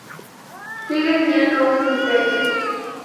Sigue siendo un misterio.